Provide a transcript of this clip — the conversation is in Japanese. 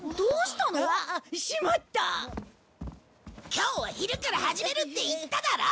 今日は昼から始めるって言っただろ！？